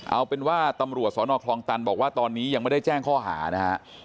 เอาเป็นว่าตำรวจสนคลองตันบอกว่าตอนนี้ยังไม่ได้แจ้งข้อหานะฮะ